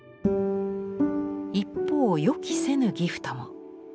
一方「予期せぬギフト」も。